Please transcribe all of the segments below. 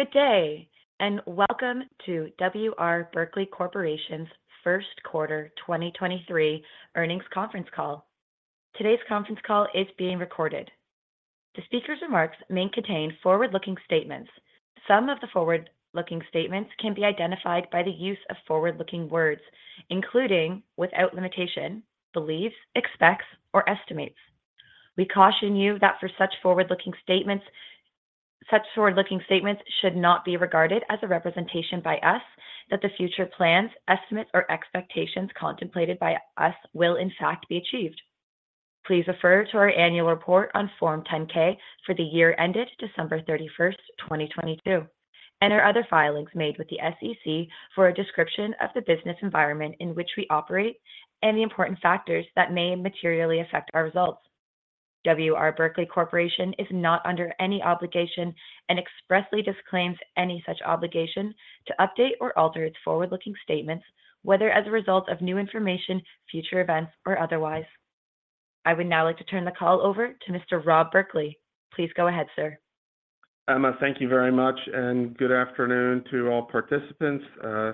Good day, welcome to W.R. Berkley Corporation's Q1 2023 Earnings Conference Call. Today's conference call is being recorded. The speaker's remarks may contain forward-looking statements. Some of the forward-looking statements can be identified by the use of forward-looking words, including, without limitation, believes, expects, or estimates. We caution you that such forward-looking statements should not be regarded as a representation by us that the future plans, estimates, or expectations contemplated by us will in fact be achieved. Please refer to our annual report on Form 10-K for the year ended December 31st, 2022, and our other filings made with the SEC for a description of the business environment in which we operate and the important factors that may materially affect our results. W.R. Berkley Corporation is not under any obligation and expressly disclaims any such obligation to update or alter its forward-looking statements, whether as a result of new information, future events, or otherwise. I would now like to turn the call over to Mr. Rob Berkley. Please go ahead, sir. Emma, thank you very much. Good afternoon to all participants.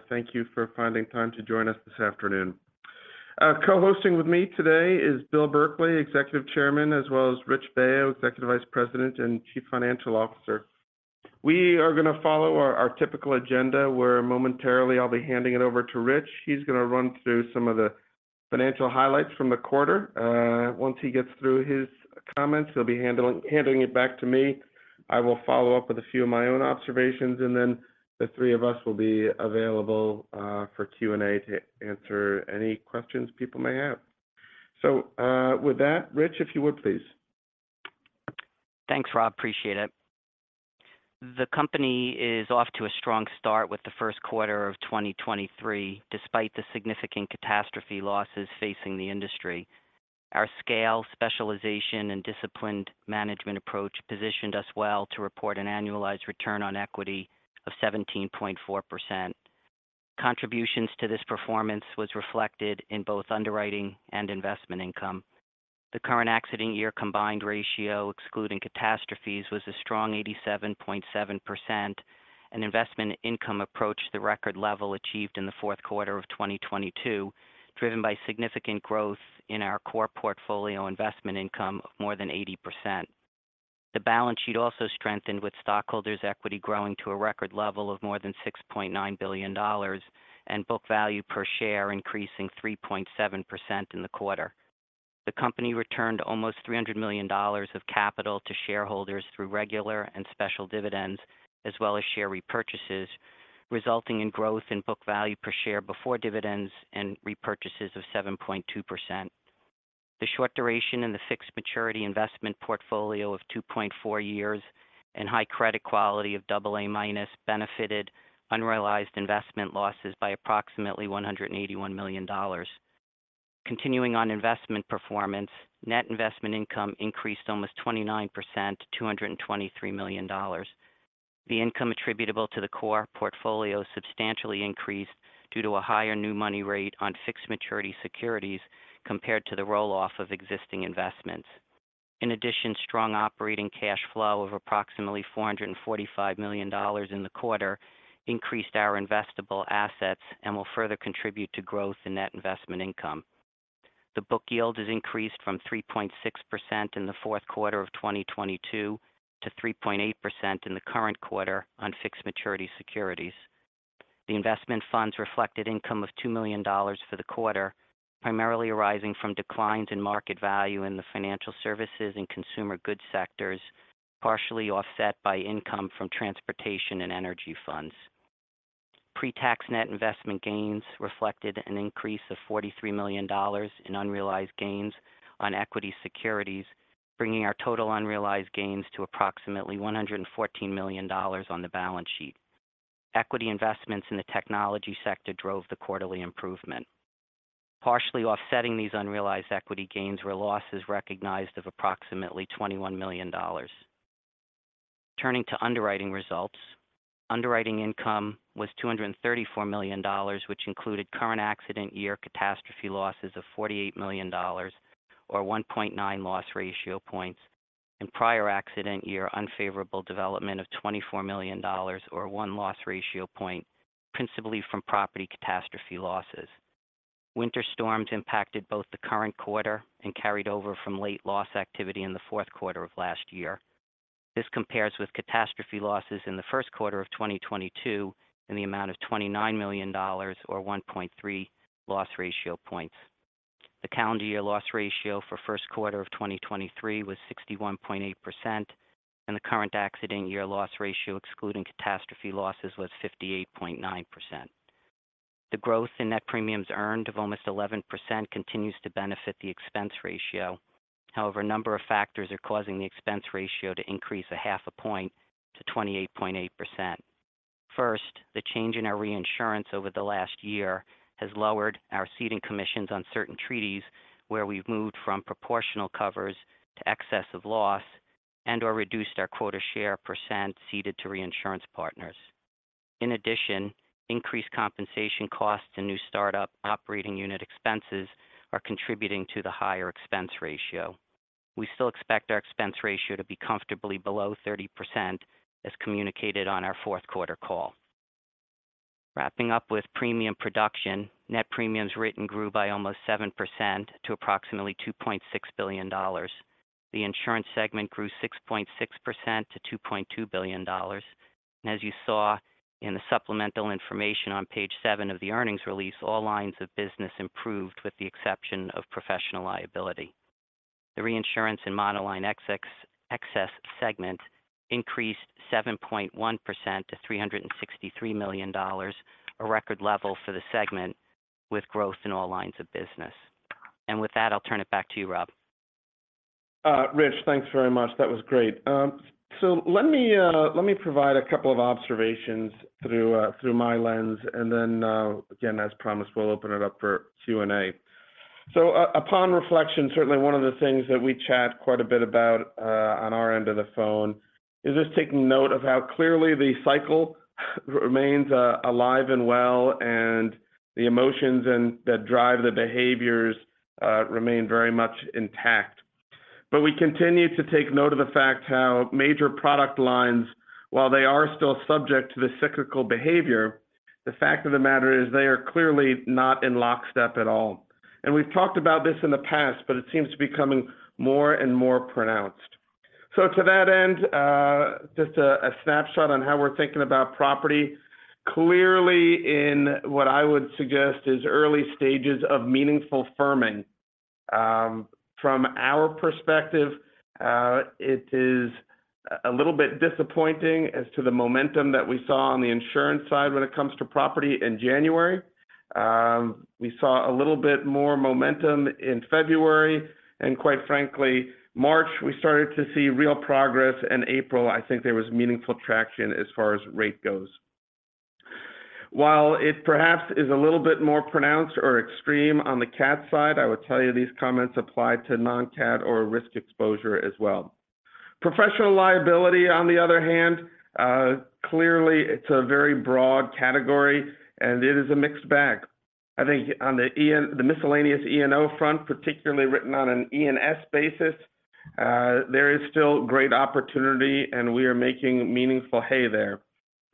Thank you for finding time to join us this afternoon. Co-hosting with me today is Bill Berkley, Executive Chairman, as well as Rich Baio, Executive Vice President and Chief Financial Officer. We are gonna follow our typical agenda, where momentarily I'll be handing it over to Rich. He's gonna run through some of the financial highlights from the quarter. Once he gets through his comments, he'll be handling it back to me. I will follow up with a few of my own observations, and then the three of us will be available for Q&A to answer any questions people may have. With that, Rich, if you would please. Thanks, Rob. Appreciate it. The company is off to a strong start with the Q1 of 2023, despite the significant catastrophe losses facing the industry. Our scale, specialization, and disciplined management approach positioned us well to report an annualized return on equity of 17.4%. Contributions to this performance was reflected in both underwriting and investment income. The current accident year combined ratio, excluding catastrophes, was a strong 87.7%, and investment income approached the record level achieved in the Q4 of 2022, driven by significant growth in our core portfolio investment income of more than 80%. The balance sheet also strengthened with stockholders' equity growing to a record level of more than $6.9 billion and book value per share increasing 3.7% in the quarter. The company returned almost $300 million of capital to shareholders through regular and special dividends, as well as share repurchases, resulting in growth in book value per share before dividends and repurchases of 7.2%. The short duration in the fixed maturity investment portfolio of 2.4 years and high credit quality of AA- benefited unrealized investment losses by approximately $181 million. Continuing on investment performance, net investment income increased almost 29% to $223 million. The income attributable to the core portfolio substantially increased due to a higher new money rate on fixed maturity securities compared to the roll-off of existing investments. Strong operating cash flow of approximately $445 million in the quarter increased our investable assets and will further contribute to growth in net investment income. The book yield is increased from 3.6% in the Q4 of 2022 to 3.8% in the current quarter on fixed maturity securities. The investment funds reflected income of $2 million for the quarter, primarily arising from declines in market value in the financial services and consumer goods sectors, partially offset by income from transportation and energy funds. Pre-tax net investment gains reflected an increase of $43 million in unrealized gains on equity securities, bringing our total unrealized gains to approximately $114 million on the balance sheet. Equity investments in the technology sector drove the quarterly improvement. Partially offsetting these unrealized equity gains were losses recognized of approximately $21 million. Turning to underwriting results. Underwriting income was $234 million, which included current accident year catastrophe losses of $48 million or 1.9 loss ratio points and prior accident year unfavorable development of $24 million or one loss ratio point, principally from property catastrophe losses. Winter storms impacted both the current quarter and carried over from late loss activity in the Q4 of last year. This compares with catastrophe losses in the Q1 of 2022 in the amount of $29 million or 1.3 loss ratio points. The calendar year loss ratio for Q1 of 2023 was 61.8%, and the current accident year loss ratio excluding catastrophe losses was 58.9%. The growth in net premiums earned of almost 11% continues to benefit the expense ratio. A number of factors are causing the expense ratio to increase a half a point to 28.8%. The change in our reinsurance over the last year has lowered our ceding commissions on certain treaties where we've moved from proportional covers to excess of loss and/or reduced our quota share percent ceded to reinsurance partners. In addition, increased compensation costs and new startup operating unit expenses are contributing to the higher expense ratio. We still expect our expense ratio to be comfortably below 30% as communicated on our Q4 call. Wrapping up with premium production, net premiums written grew by almost 7% to approximately $2.6 billion. The insurance segment grew 6.6% to $2.2 billion. As you saw in the supplemental information on page 7 of the earnings release, all lines of business improved with the exception of professional liability. The reinsurance and monoline excess segment increased 7.1% to $363 million, a record level for the segment with growth in all lines of business. With that, I'll turn it back to you, Rob. Rich, thanks very much. That was great. Let me, let me provide a couple of observations through my lens. Again, as promised, we'll open it up for Q&A. Upon reflection, certainly one of the things that we chat quite a bit about, on our end of the phone is just taking note of how clearly the cycle remains alive and well, and the emotions that drive the behaviors, remain very much intact. We continue to take note of the fact how major product lines, while they are still subject to the cyclical behavior, the fact of the matter is they are clearly not in lockstep at all. We've talked about this in the past, but it seems to be becoming more and more pronounced. To that end, just a snapshot on how we're thinking about property. Clearly in what I would suggest is early stages of meaningful firming. From our perspective, it is a little bit disappointing as to the momentum that we saw on the insurance side when it comes to property in January. We saw a little bit more momentum in February, and quite frankly, March, we started to see real progress. In April, I think there was meaningful traction as far as rate goes. While it perhaps is a little bit more pronounced or extreme on the cat side, I would tell you these comments apply to non-cat or risk exposure as well. Professional liability, on the other hand, clearly it's a very broad category, and it is a mixed bag. I think on the miscellaneous E&O front, particularly written on an E&S basis, there is still great opportunity, and we are making meaningful hay there.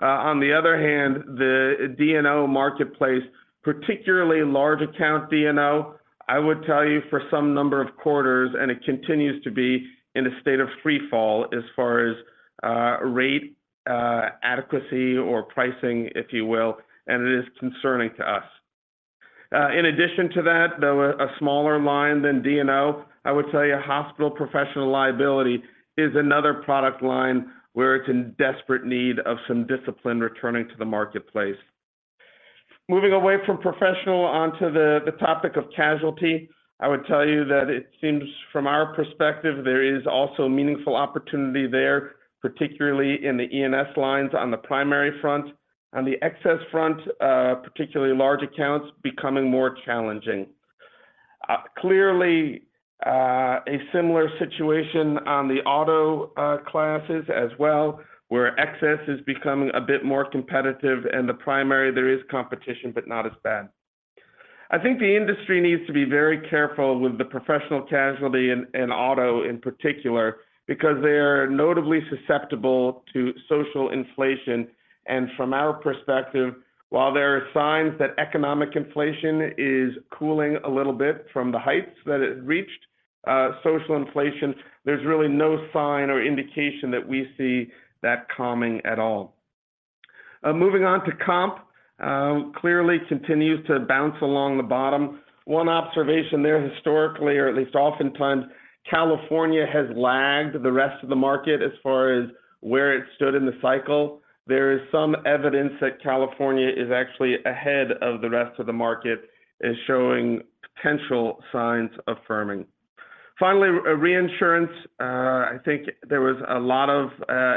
On the other hand, the D&O marketplace, particularly large account D&O, I would tell you for some number of quarters, and it continues to be in a state of freefall as far as rate adequacy or pricing, if you will, and it is concerning to us. In addition to that, though a smaller line than D&O, I would tell you hospital professional liability is another product line where it's in desperate need of some discipline returning to the marketplace. Moving away from professional onto the topic of casualty, I would tell you that it seems from our perspective, there is also meaningful opportunity there, particularly in the E&S lines on the primary front. On the excess front, particularly large accounts becoming more challenging. Clearly, a similar situation on the auto classes as well, where excess is becoming a bit more competitive and the primary there is competition, but not as bad. I think the industry needs to be very careful with the professional casualty and auto in particular because they are notably susceptible to social inflation. From our perspective, while there are signs that economic inflation is cooling a little bit from the heights that it reached, social inflation, there's really no sign or indication that we see that calming at all. Moving on to comp, clearly continues to bounce along the bottom. One observation there historically, or at least oftentimes, California has lagged the rest of the market as far as where it stood in the cycle. There is some evidence that California is actually ahead of the rest of the market and showing potential signs of firming. Finally, reinsurance. I think there was a lot of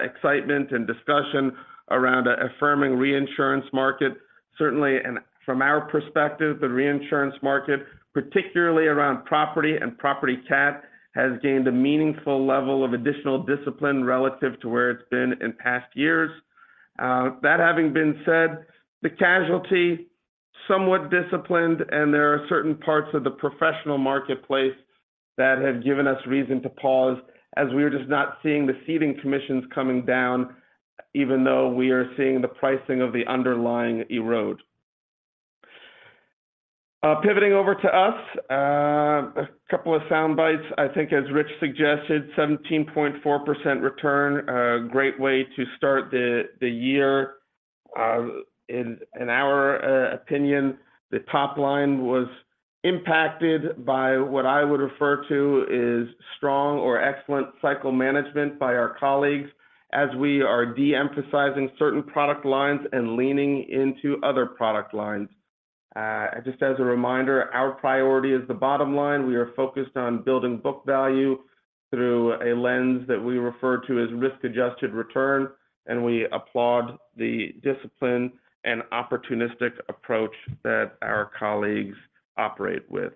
excitement and discussion around a firming reinsurance market. Certainly, from our perspective, the reinsurance market, particularly around property and property cat, has gained a meaningful level of additional discipline relative to where it's been in past years. That having been said, the casualty somewhat disciplined, and there are certain parts of the professional marketplace that have given us reason to pause as we are just not seeing the ceding commissions coming down, even though we are seeing the pricing of the underlying erode. Pivoting over to us, a couple of sound bites. I think as Rich suggested, 17.4% return, a great way to start the year. In our opinion, the top line was impacted by what I would refer to as strong or excellent cycle management by our colleagues as we are de-emphasizing certain product lines and leaning into other product lines. Just as a reminder, our priority is the bottom line. We are focused on building book value through a lens that we refer to as risk-adjusted return, and we applaud the discipline and opportunistic approach that our colleagues operate with.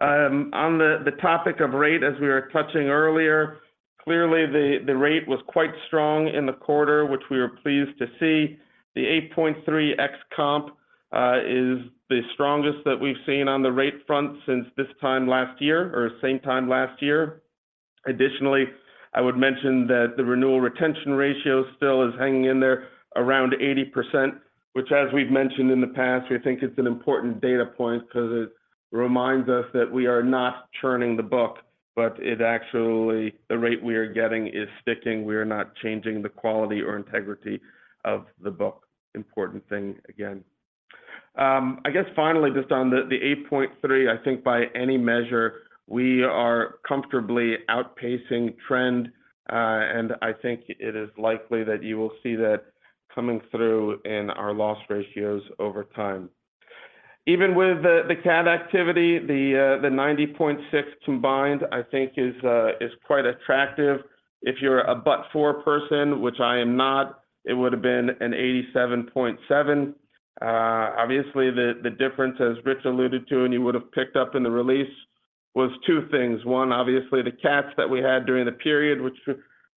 On the topic of rate as we were touching earlier, clearly the rate was quite strong in the quarter, which we were pleased to see. The 8.3 ex comp is the strongest that we've seen on the rate front since this time last year or same time last year. Additionally, I would mention that the renewal retention ratio still is hanging in there around 80%, which as we've mentioned in the past, we think it's an important data point because it reminds us that we are not churning the book, but it actually the rate we are getting is sticking. We are not changing the quality or integrity of the book. Important thing again. I guess finally, just on the 8.3, I think by any measure, we are comfortably outpacing trend, and I think it is likely that you will see that coming through in our loss ratios over time. Even with the cat activity, the 90.6 combined, I think is quite attractive. If you're a but for person, which I am not, it would have been an 87.7. Obviously the difference as Rich alluded to, and you would have picked up in the release was two things. One, obviously the cats that we had during the period, which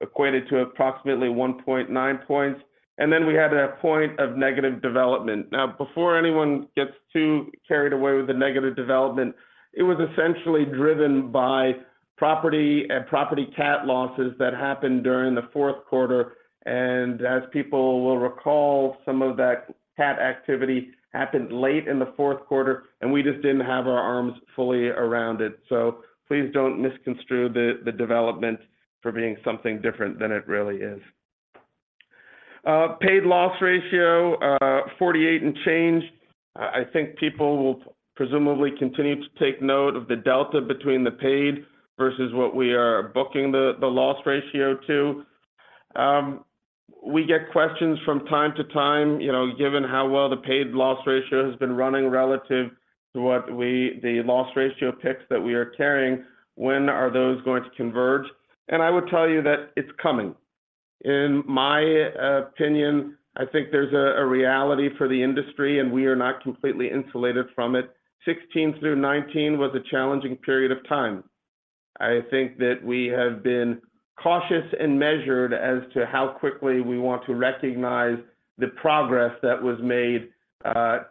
equated to approximately 1.9 points. Then we had a point of negative development. Before anyone gets too carried away with the negative development, it was essentially driven by property and property cat losses that happened during the Q4. As people will recall, some of that cat activity happened late in the fourth quarter, and we just didn't have our arms fully around it. Please don't misconstrue the development for being something different than it really is. Paid loss ratio, 48 and change. I think people will presumably continue to take note of the delta between the paid versus what we are booking the loss ratio to. We get questions from time to time, you know, given how well the paid loss ratio has been running relative to the loss ratio picks that we are carrying, when are those going to converge? I would tell you that it's coming. In my opinion, I think there's a reality for the industry, and we are not completely insulated from it. 16 through 19 was a challenging period of time. I think that we have been cautious and measured as to how quickly we want to recognize the progress that was made,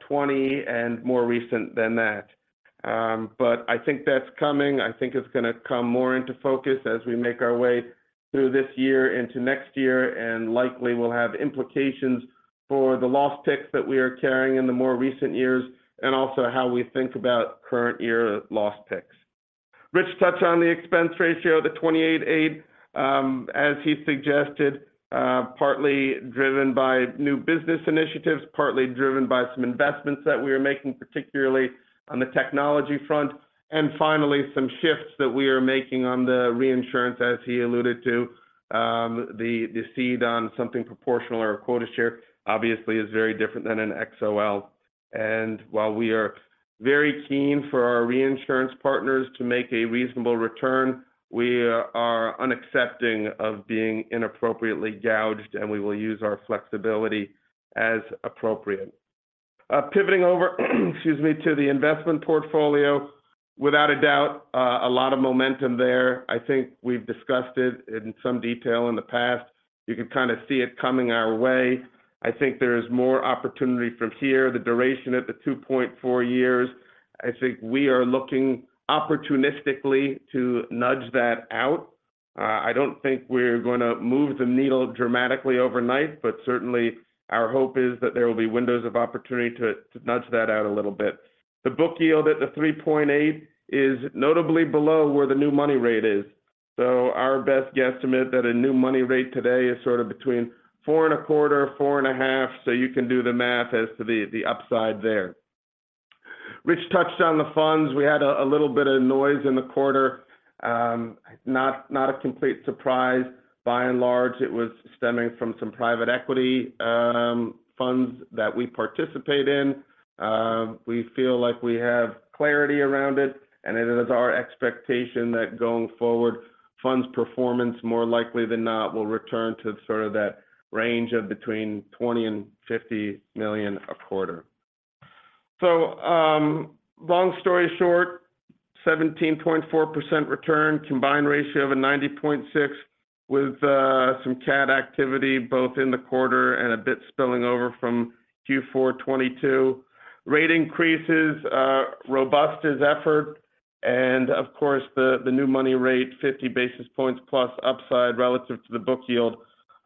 20 and more recent than that. I think that's coming. I think it's gonna come more into focus as we make our way through this year into next year, likely will have implications for the loss picks that we are carrying in the more recent years and also how we think about current year loss picks. Rich touched on the expense ratio, the 28.8, as he suggested, partly driven by new business initiatives, partly driven by some investments that we are making, particularly on the technology front. Finally, some shifts that we are making on the reinsurance, as he alluded to. The, the cede on something proportional or a quota share obviously is very different than an XOL. While we are very keen for our reinsurance partners to make a reasonable return, we are unaccepting of being inappropriately gouged, and we will use our flexibility as appropriate. Pivoting over, excuse me, to the investment portfolio, without a doubt, a lot of momentum there. I think we've discussed it in some detail in the past. You can kind of see it coming our way. I think there is more opportunity from here, the duration at 2.4 years. I think we are looking opportunistically to nudge that out. I don't think we're gonna move the needle dramatically overnight, but certainly our hope is that there will be windows of opportunity to nudge that out a little bit. The book yield at 3.8 is notably below where the new money rate is. Our best guesstimate that a new money rate today is sort of between 4.25%, 4.5%. You can do the math as to the upside there. Rich touched on the funds. We had a little bit of noise in the quarter. Not a complete surprise. By and large, it was stemming from some private equity funds that we participate in. We feel like we have clarity around it, and it is our expectation that going forward, funds performance more likely than not will return to sort of that range of between $20 million and $50 million a quarter. Long story short, 17.4% return, combined ratio of a 90.6 with some cat activity both in the quarter and a bit spilling over from Q4 2022. Rate increases are robust as effort. Of course, the new money rate, 50 basis points plus upside relative to the book yield.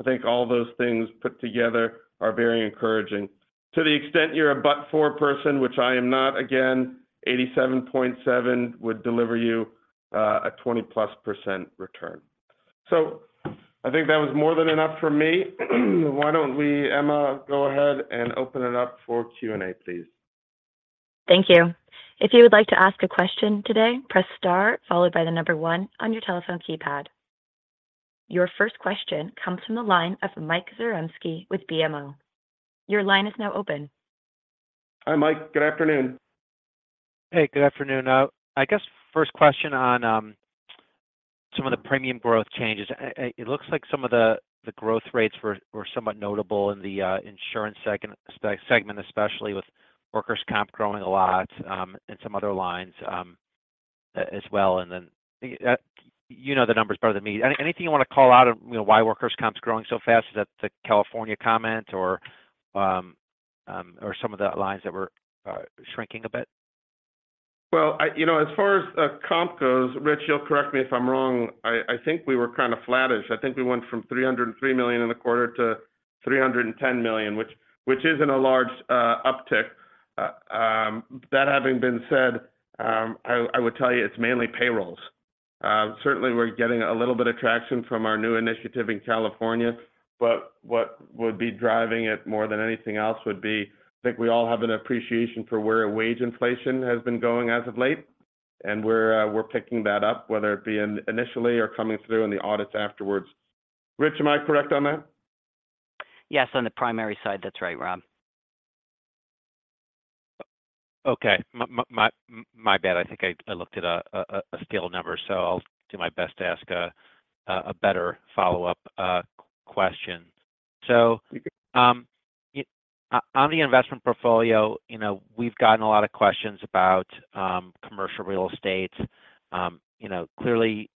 I think all those things put together are very encouraging. To the extent you're a but for person, which I am not, again, 87.7 would deliver you, a 20%+ return. I think that was more than enough for me. Why don't we, Emma, go ahead and open it up for Q&A, please? Thank you. If you would like to ask a question today, press star followed by one on your telephone keypad. Your first question comes from the line of Michael Zarembski with BMO. Your line is now open. Hi, Mike. Good afternoon. Good afternoon. I guess first question on some of the premium growth changes. It looks like some of the growth rates were somewhat notable in the insurance second segment especially with workers' comp growing a lot, and some other lines as well. Then, you know the numbers better than me. Anything you wanna call out of, you know, why workers' comp's growing so fast? Is that the California comment or some of the lines that were shrinking a bit? Well, you know, as far as comp goes, Rich, you'll correct me if I'm wrong, I think we were kind of flattish. I think we went from $303 million in the quarter to $310 million, which isn't a large uptick. That having been said, I would tell you it's mainly payrolls. Certainly we're getting a little bit of traction from our new initiative in California, but what would be driving it more than anything else would be, I think we all have an appreciation for where wage inflation has been going as of late, and we're picking that up, whether it be initially or coming through in the audits afterwards. Rich, am I correct on that? Yes. On the primary side, that's right, Rob. Okay. My bad. I think I looked at a stale number. I'll do my best to ask a better follow-up question. So, on the investment portfolio, you know, we've gotten a lot of questions about commercial real estate. You know, clearly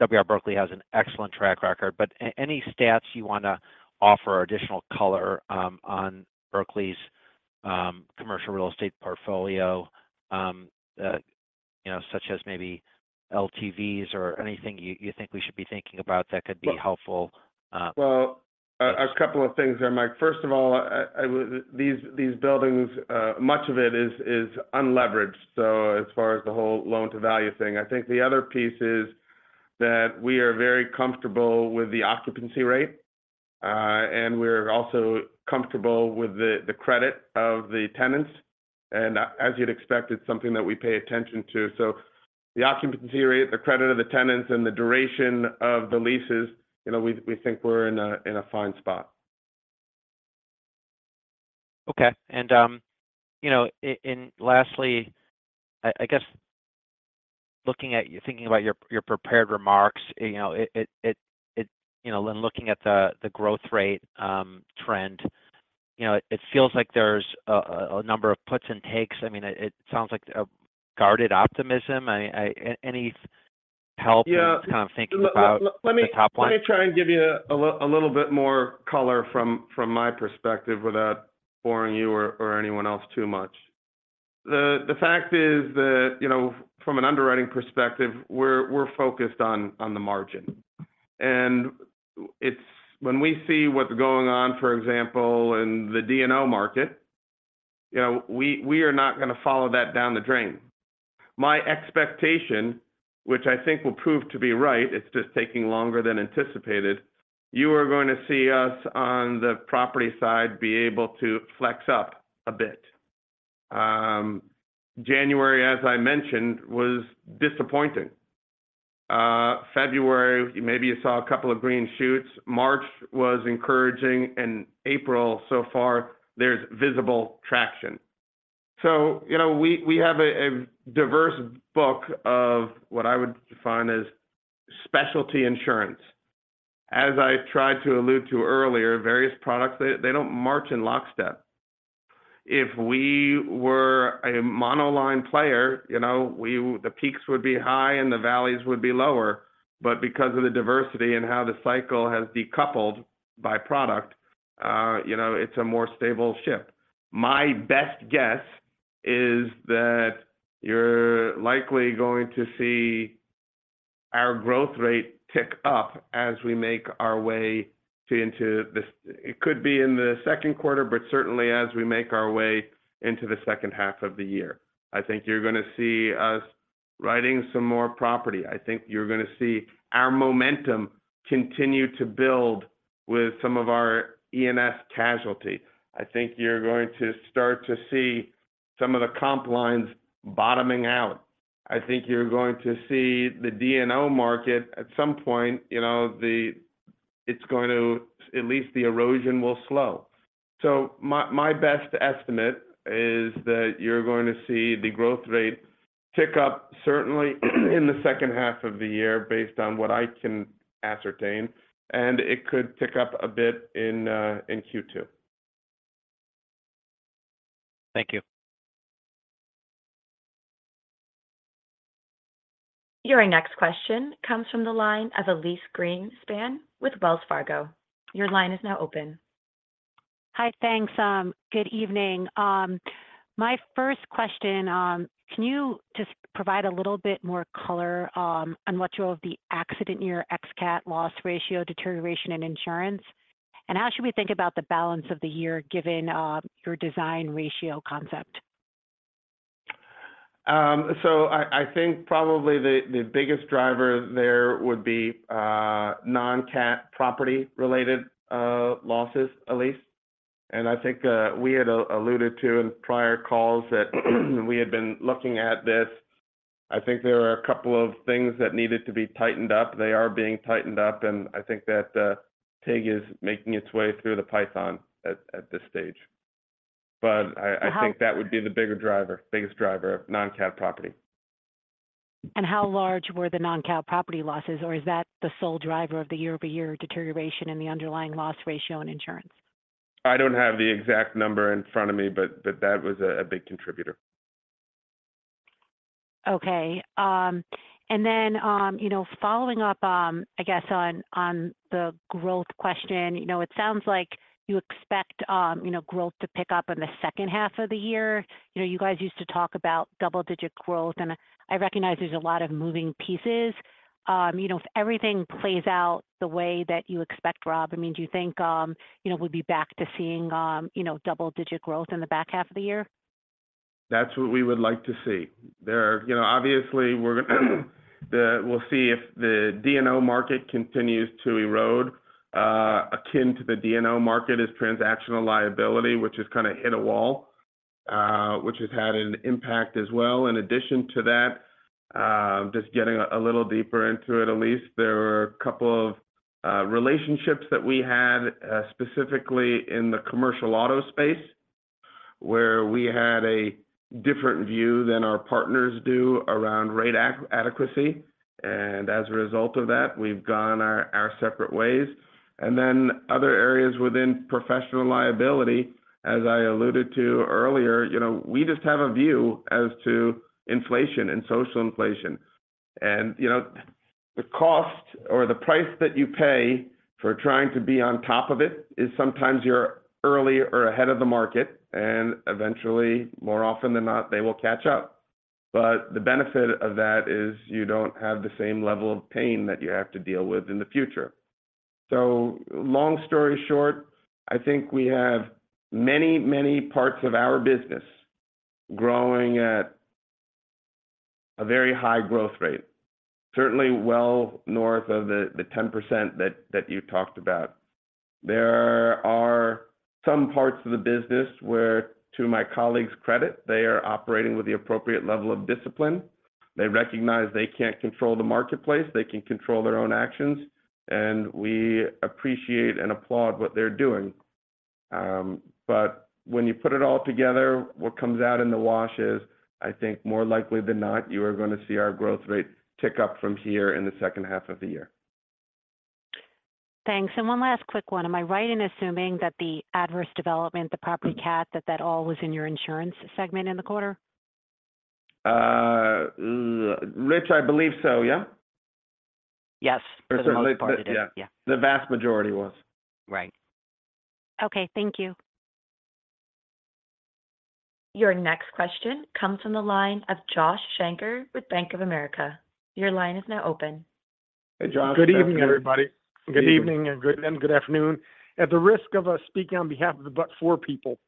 W. R. Berkley has an excellent track record, but any stats you wanna offer or additional color on Berkley's commercial real estate portfolio, you know, such as maybe LTVs or anything you think we should be thinking about that could be helpful? Well, a couple of things there, Mike. First of all, These buildings, much of it is unleveraged, so as far as the whole loan-to-value thing. I think the other piece is that we are very comfortable with the occupancy rate, and we're also comfortable with the credit of the tenants. As you'd expect, it's something that we pay attention to. The occupancy rate, the credit of the tenants, and the duration of the leases, you know, we think we're in a fine spot. Okay. You know, and lastly, I guess looking at. Thinking about your prepared remarks, you know, it. You know, when looking at the growth rate, trend, you know, it feels like there's a number of puts and takes. I mean, it sounds like a guarded optimism. I... Any help? Yeah. Just kind of thinking about the top line? Let me try and give you a little bit more color from my perspective without boring you or anyone else too much. The fact is that, you know, from an underwriting perspective, we're focused on the margin. It's when we see what's going on, for example, in the D&O market, you know, we are not gonna follow that down the drain. My expectation, which I think will prove to be right, it's just taking longer than anticipated, you are going to see us on the property side be able to flex up a bit. January, as I mentioned, was disappointing. February, maybe you saw a couple of green shoots. March was encouraging, and April so far, there's visible traction. You know, we have a diverse book of what I would define as specialty insurance. As I tried to allude to earlier, various products, they don't march in lockstep. If we were a monoline player, you know, we the peaks would be high and the valleys would be lower. Because of the diversity and how the cycle has decoupled by product, you know, it's a more stable ship. My best guess is that you're likely going to see our growth rate tick up as we make our way into this. It could be in the Q2, but certainly as we make our way into the second half of the year. I think you're gonna see us writing some more property. I think you're gonna see our momentum continue to build with some of our E&S casualty. I think you're going to start to see some of the comp lines bottoming out. I think you're going to see the D&O market at some point, you know, at least the erosion will slow. My best estimate is that you're going to see the growth rate tick up certainly in the second half of the year based on what I can ascertain, and it could tick up a bit in Q2. Thank you. Your next question comes from the line of Elyse Greenspan with Wells Fargo. Your line is now open. Hi. Thanks. good evening. My first question, can you just provide a little bit more color, on what you have the accident year ex cat loss ratio deterioration in insurance? How should we think about the balance of the year given, your design ratio concept? I think probably the biggest driver there would be non-cat property related losses, Elyse. I think we had alluded to in prior calls that we had been looking at this. I think there are a couple of things that needed to be tightened up. They are being tightened up, and I think that pig is making its way through the python at this stage. I think that would be the biggest driver of non-cat property. How large were the non-cat property losses? Or is that the sole driver of the year-over-year deterioration in the underlying loss ratio in insurance? I don't have the exact number in front of me, but that was a big contributor. Okay. You know, following up, I guess on the growth question, you know, it sounds like you expect, you know, growth to pick up in the H2 of the year. You know, you guys used to talk about double-digit growth, and I recognize there's a lot of moving pieces. You know, if everything plays out the way that you expect, Rob, I mean, do you think, you know, we'll be back to seeing, you know, double-digit growth in the back half of the year? That's what we would like to see. You know, obviously we'll see if the D&O market continues to erode. Akin to the D&O market is transactional liability, which has kind of hit a wall, which has had an impact as well. In addition to that, just getting a little deeper into it, Elyse, there were a couple of relationships that we had, specifically in the commercial auto space, where we had a different view than our partners do around rate adequacy. As a result of that, we've gone our separate ways. Other areas within professional liability, as I alluded to earlier, you know, we just have a view as to inflation and social inflation. You know, the cost or the price that you pay for trying to be on top of it is sometimes you're early or ahead of the market, and eventually, more often than not, they will catch up. The benefit of that is you don't have the same level of pain that you have to deal with in the future. Long story short, I think we have many, many parts of our business growing at a very high growth rate, certainly well north of the 10% that you talked about. There are some parts of the business where, to my colleagues' credit, they are operating with the appropriate level of discipline. They recognize they can't control the marketplace, they can control their own actions, and we appreciate and applaud what they're doing. When you put it all together, what comes out in the wash is, I think more likely than not, you are going to see our growth rate tick up from here in the second half of the year. Thanks. One last quick one. Am I right in assuming that the adverse development, the property cat, that that all was in your insurance segment in the quarter? Rich, I believe so, yeah? Yes, for the most part it is. Yeah. Yeah. The vast majority was. Right. Okay. Thank you. Your next question comes from the line of Joshua Shanker with Bank of America. Your line is now open. Hey, Josh. How's it going? Good evening, everybody. Good evening and good afternoon. At the risk of speaking on behalf of the but-for people.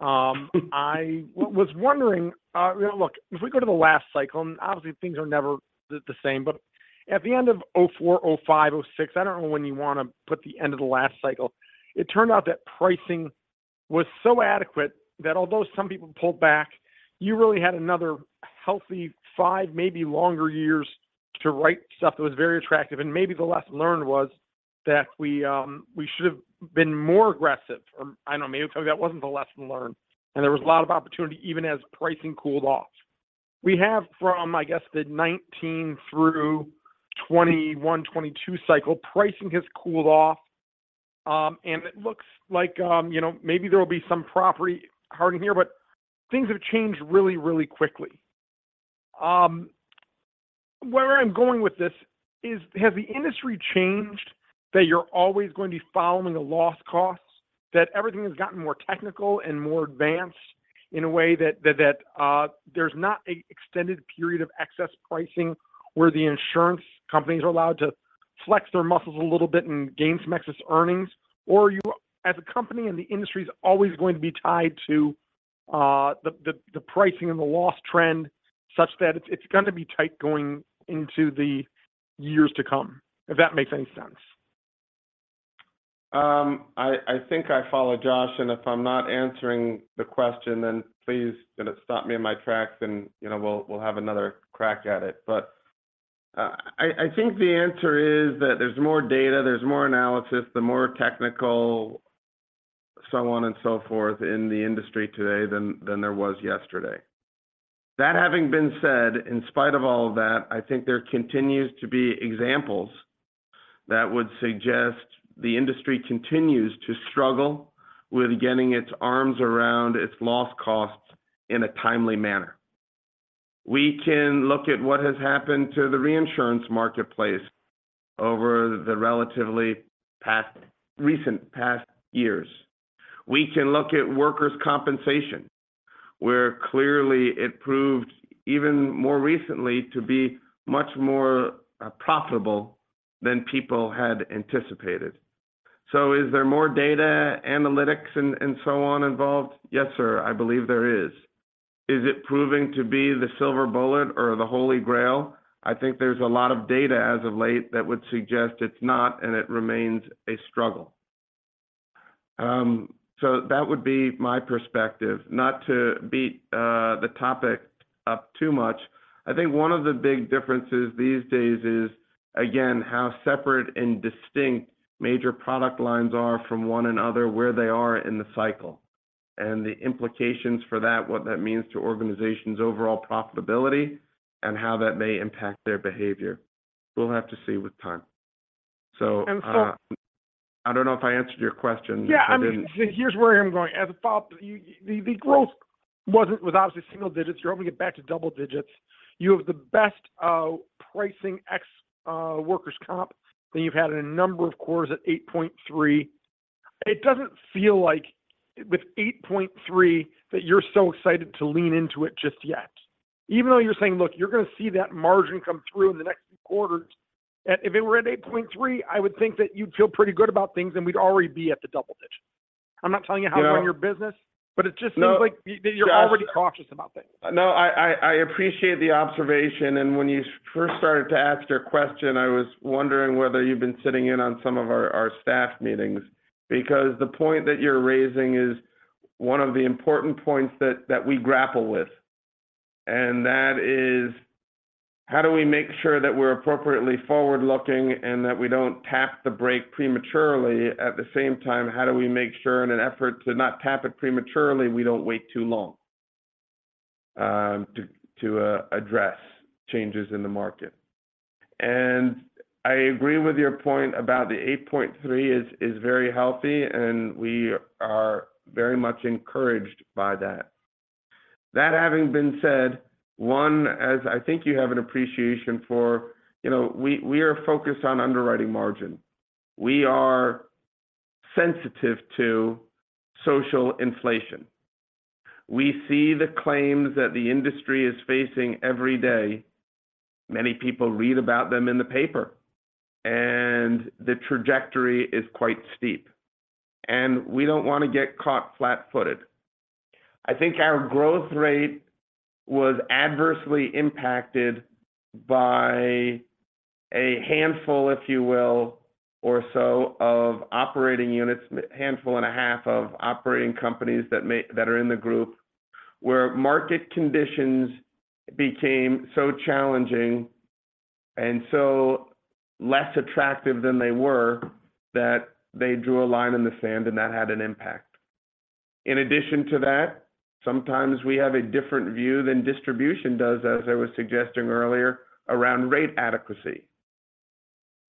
I was wondering, you know, look, if we go to the last cycle, and obviously things are never the same, but at the end of 2004, 2005, 2006, I don't know when you want to put the end of the last cycle, it turned out that pricing was so adequate that although some people pulled back, you really had another healthy five, maybe longer years to write stuff that was very attractive. Maybe the lesson learned was that we should have been more aggressive. I don't know, maybe that wasn't the lesson learned. There was a lot of opportunity even as pricing cooled off. We have from, I guess, the 2019 through 2021, 2022 cycle, pricing has cooled off, and it looks like, you know, maybe there will be some property hardening here, but things have changed really, really quickly. Where I'm going with this is, has the industry changed that you're always going to be following the loss costs, that everything has gotten more technical and more advanced in a way that there's not a extended period of excess pricing where the insurance companies are allowed to flex their muscles a little bit and gain some excess earnings? Are you as a company and the industry is always going to be tied to the pricing and the loss trend such that it's going to be tight going into the years to come? If that makes any sense? I think I follow, Josh, and if I'm not answering the question, then please kind of stop me in my tracks and, you know, we'll have another crack at it. I think the answer is that there's more data, there's more analysis, the more technical so on and so forth in the industry today than there was yesterday. That having been said, in spite of all of that, I think it continues to be examples that would suggest the industry continues to struggle with getting its arms around its loss costs in a timely manner. We can look at what has happened to the reinsurance marketplace over the recent past years. We can look at workers' compensation, where clearly it proved even more recently to be much more profitable than people had anticipated. Is there more data analytics and so on involved? Yes, sir, I believe there is. Is it proving to be the silver bullet or the holy grail? I think there's a lot of data as of late that would suggest it's not, and it remains a struggle. That would be my perspective. Not to beat the topic up too much. I think one of the big differences these days is, again, how separate and distinct major product lines are from one another, where they are in the cycle, and the implications for that, what that means to organizations' overall profitability, and how that may impact their behavior. We'll have to see with time. I don't know if I answered your question. If I didn't- Yeah, I mean, here's where I'm going. As a follow-up, the growth was obviously single digits. You're hoping to get back to double digits. You have the best pricing ex workers' comp than you've had in a number of quarters at 8.3%. It doesn't feel like with 8.3% that you're so excited to lean into it just yet. You're saying, look, you're gonna see that margin come through in the next few quarters, if it were at 8.3%, I would think that you'd feel pretty good about things, and we'd already be at the double digits. I'm not telling you how to run your business, it just seems like you're already cautious about things. No, I appreciate the observation. When you first started to ask your question, I was wondering whether you've been sitting in on some of our staff meetings because the point that you're raising is one of the important points that we grapple with. That is, how do we make sure that we're appropriately forward-looking and that we don't tap the brake prematurely? At the same time, how do we make sure in an effort to not tap it prematurely, we don't wait too long to address changes in the market. I agree with your point about the 8.3 is very healthy, and we are very much encouraged by that. That having been said, one, as I think you have an appreciation for, you know, we are focused on underwriting margin. We are sensitive to social inflation. We see the claims that the industry is facing every day. Many people read about them in the paper, and the trajectory is quite steep, and we don't wanna get caught flat-footed. I think our growth rate was adversely impacted by a handful, if you will, or so of operating units, handful and a half of operating companies that are in the group, where market conditions became so challenging and so less attractive than they were that they drew a line in the sand, and that had an impact. In addition to that, sometimes we have a different view than distribution does, as I was suggesting earlier, around rate adequacy.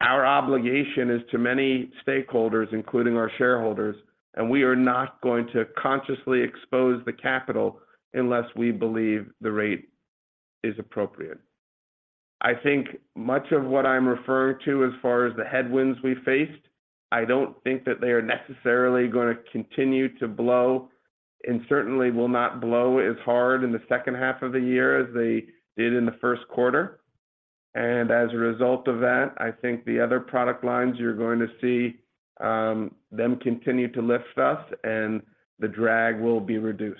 Our obligation is to many stakeholders, including our shareholders, and we are not going to consciously expose the capital unless we believe the rate is appropriate. I think much of what I'm referring to as far as the headwinds we faced, I don't think that they are necessarily gonna continue to blow and certainly will not blow as hard in the second half of the year as they did in the Q1. As a result of that, I think the other product lines, you're going to see them continue to lift us, and the drag will be reduced.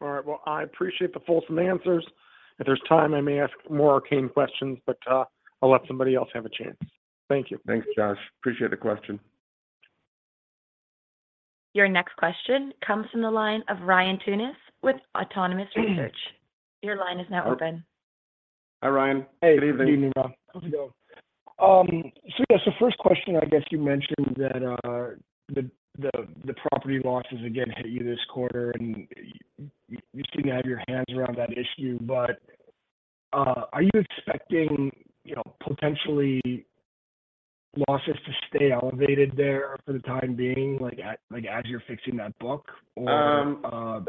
All right. Well, I appreciate the fulsome answers. If there's time, I may ask more arcane questions, but I'll let somebody else have a chance. Thank you. Thanks, Josh. Appreciate the question. Your next question comes from the line of Ryan Tunis with Autonomous Research. Your line is now open. Hi, Ryan. Good evening. Hey. Good evening, Rob. How's it going? Yes, the first question, I guess you mentioned that the property losses again hit you this quarter, and you seem to have your hands around that issue. Are you expecting, you know, potentially losses to stay elevated there for the time being, like as you're fixing that book or?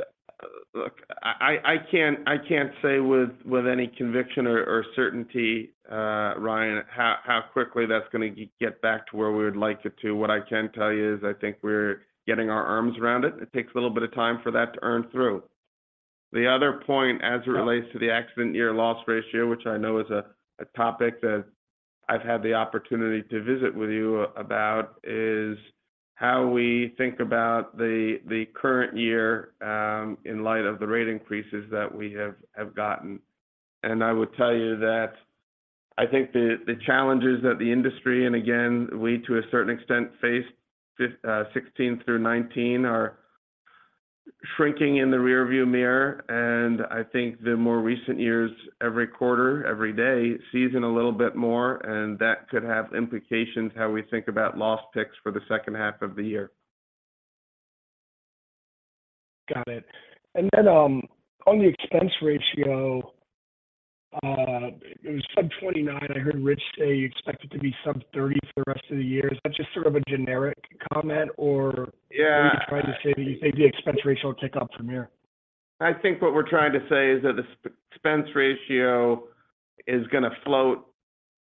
Look, I can't, I can't say with any conviction or certainty, Ryan, how quickly that's gonna get back to where we would like it to. What I can tell you is I think we're getting our arms around it. It takes a little bit of time for that to earn through. The other point as it relates to the accident year loss ratio, which I know is a topic that I've had the opportunity to visit with you about, is how we think about the current year in light of the rate increases that we have gotten. I would tell you that I think the challenges that the industry, and again we to a certain extent faced 2016 through 2019 are shrinking in the rearview mirror. I think the more recent years, every quarter, every day sees them a little bit more, and that could have implications how we think about loss picks for the second half of the year. Got it. On the expense ratio, it was sub 29. I heard Rich say you expect it to be sub 30 for the rest of the year. Is that just sort of a generic comment or? Yeah Are you trying to say that you think the expense ratio will tick up from here? I think what we're trying to say is that the expense ratio is gonna float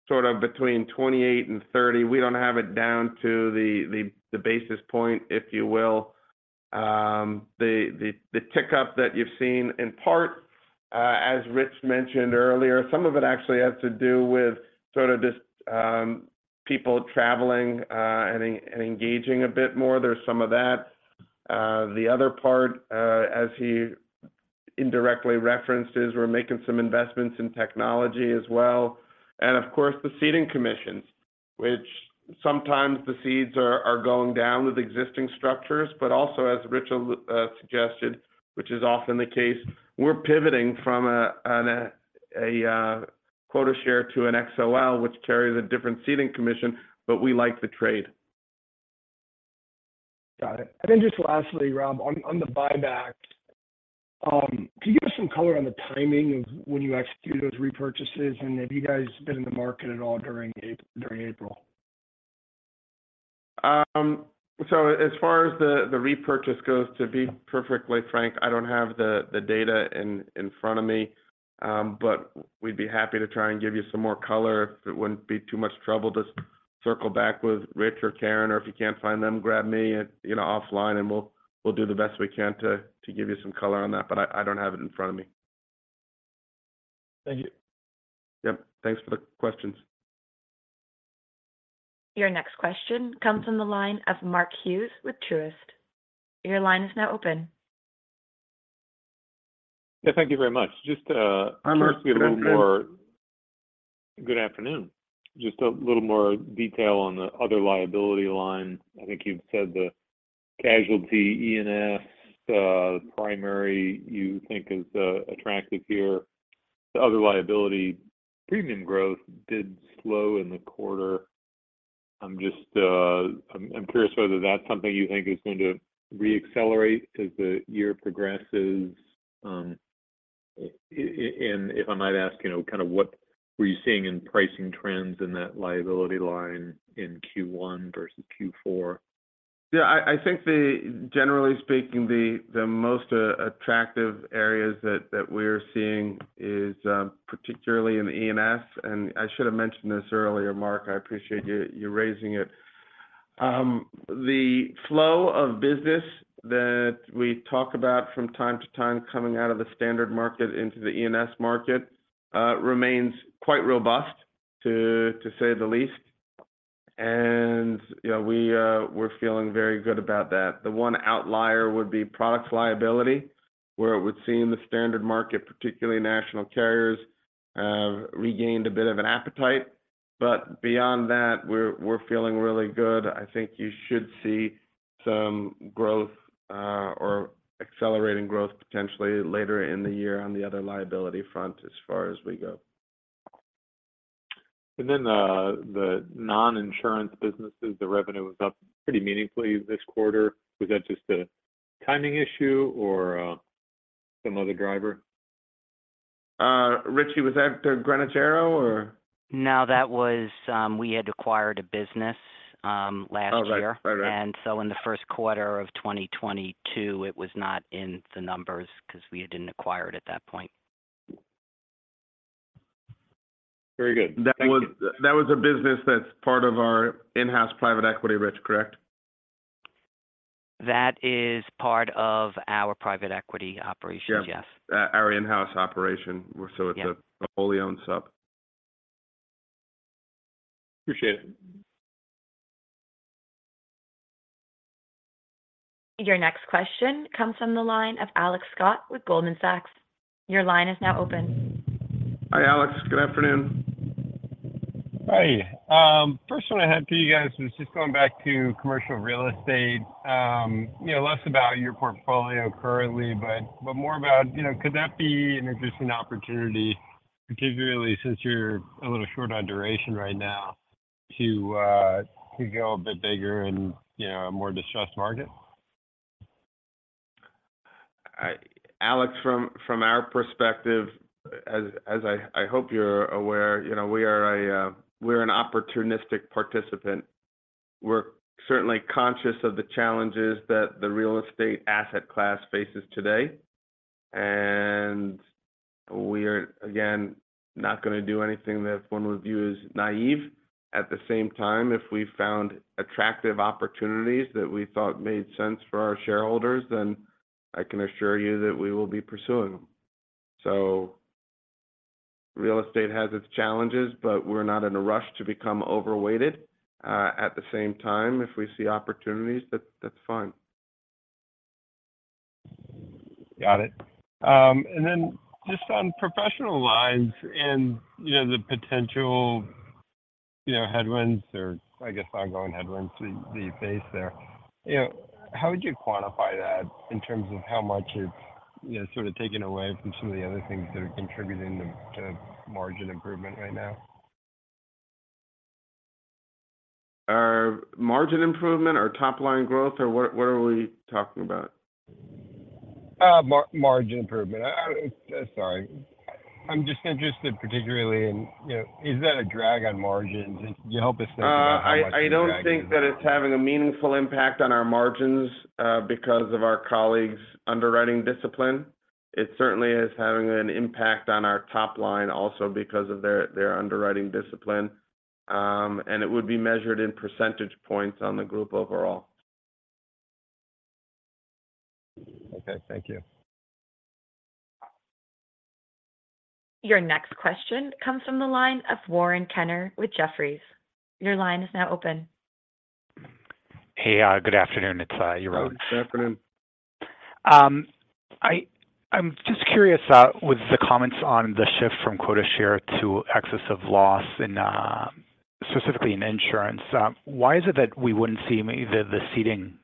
sort of between 28 and 30. We don't have it down to the basis point, if you will. The tick up that you've seen in part, as Rich mentioned earlier, some of it actually has to do with sort of just people traveling and engaging a bit more. There's some of that. The other part, as he indirectly referenced, is we're making some investments in technology as well and, of course, the ceding commissions. Which sometimes the cedes are going down with existing structures, but also as Rich suggested, which is often the case, we're pivoting from a quota share to an XOL, which carries a different ceding commission, but we like the trade. Got it. Then just lastly, Rob, on the buyback, can you give us some color on the timing of when you execute those repurchases? Have you guys been in the market at all during April? As far as the repurchase goes, to be perfectly frank, I don't have the data in front of me. We'd be happy to try and give you some more color if it wouldn't be too much trouble. Just circle back with Rich or Karen, or if you can't find them, grab me, you know, offline, and we'll do the best we can to give you some color on that. I don't have it in front of me. Thank you. Yep, thanks for the questions. Your next question comes from the line of Mark Hughes with Truist. Your line is now open. Yeah, thank you very much. Just. Hi, Mark. Good afternoon. Good afternoon. Just a little more detail on the other liability line. I think you've said the casualty E&S primary you think is attractive here. The other liability premium growth did slow in the quarter. I'm curious whether that's something you think is going to re-accelerate as the year progresses. If I might ask, you know, kind of what were you seeing in pricing trends in that liability line in Q1 versus Q4? I think the generally speaking, the most attractive areas that we're seeing is particularly in the E&S. I should have mentioned this earlier, Mark, I appreciate you raising it. The flow of business that we talk about from time to time coming out of the standard market into the E&S market remains quite robust, to say the least. You know, we're feeling very good about that. The one outlier would be products liability, where it would seem the standard market, particularly national carriers, regained a bit of an appetite. Beyond that, we're feeling really good. I think you should see some growth or accelerating growth potentially later in the year on the other liability front as far as we go. The non-insurance businesses, the revenue was up pretty meaningfully this quarter. Was that just a timing issue or, some other driver? Rich, was that Granite-Terre or? No, that was. We had acquired a business last year. Oh, right. Right, right. In the Q1 of 2022 it was not in the numbers 'cause we didn't acquire it at that point. Very good. Thank you. That was a business that's part of our in-house private equity, Rich, correct? That is part of our private equity operations, yes. Yeah. Our in-house operation. Yeah. It's a wholly owned sub. Appreciate it. Your next question comes from the line of Alex Scott with Goldman Sachs. Your line is now open. Hi, Alex. Good afternoon. Hi. First one I had for you guys was just going back to commercial real estate. You know, less about your portfolio currently, but more about, you know, could that be an interesting opportunity, particularly since you're a little short on duration right now, to go a bit bigger in, you know, a more distressed market? Alex, from our perspective, as I hope you're aware, you know, we are a, we're an opportunistic participant. We're certainly conscious of the challenges that the real estate asset class faces today, and we're again not gonna do anything that one would view as naive. At the same time, if we found attractive opportunities that we thought made sense for our shareholders, then I can assure you that we will be pursuing them. Real estate has its challenges, but we're not in a rush to become overweighted. At the same time, if we see opportunities, that's fine. Got it. Just on professional lines and, you know, the potential, you know, headwinds or I guess ongoing headwinds that you face there, you know, how would you quantify that in terms of how much it's, you know, sort of taken away from some of the other things that are contributing to margin improvement right now? Our margin improvement, our top line growth, or what are we talking about? Margin improvement. I'm sorry. I'm just interested particularly in, you know, is that a drag on margins? Can you help us think about how much of a drag is on-. I don't think that it's having a meaningful impact on our margins because of our colleagues' underwriting discipline. It certainly is having an impact on our top line also because of their underwriting discipline. It would be measured in percentage points on the group overall. Okay, thank you. Your next question comes from the line of Yaron Kinar with Jefferies. Your line is now open. Hey, good afternoon. It's Yaron. Good afternoon. I am just curious, with the comments on the shift from quota share to excess of loss in specifically in insurance, why is it that we wouldn't see the ceding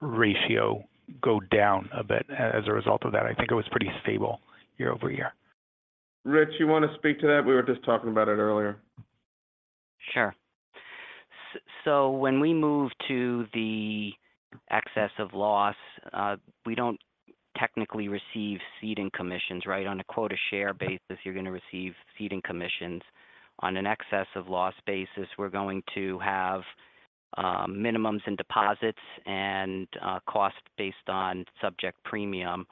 ratio go down a bit as a result of that? I think it was pretty stable year-over-year. Rich, you wanna speak to that? We were just talking about it earlier. Sure. So when we move to the excess of loss, we don't technically receive ceding commissions, right? On a quota share basis, you're gonna receive ceding commissions. On an excess of loss basis, we're going to have minimums and deposits and cost based on subject premium.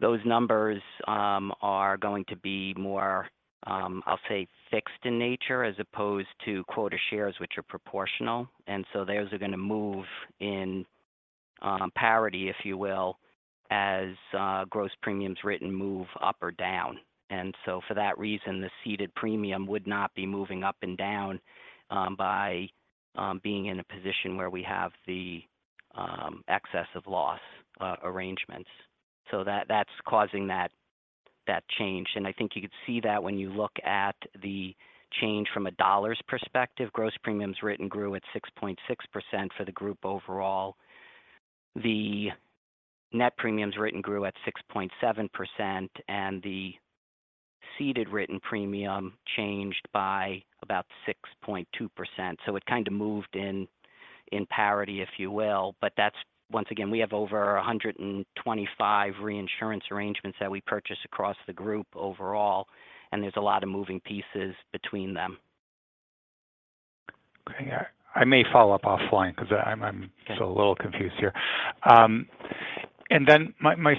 Those numbers are going to be more, I'll say fixed in nature as opposed to quota shares, which are proportional. So those are gonna move in parity, if you will, as gross premiums written move up or down. So for that reason, the ceded premium would not be moving up and down by being in a position where we have the excess of loss arrangements. So that's causing that change. And I think you could see that when you look at the change from a dollars perspective. Gross premiums written grew at 6.6% for the group overall. Net premiums written grew at 6.7%, and the ceded written premium changed by about 6.2%. It kind of moved in parity, if you will. That's. Once again, we have over 125 reinsurance arrangements that we purchase across the group overall, and there's a lot of moving pieces between them. Okay. I may follow up offline 'cause I-I'm still a little confused here. My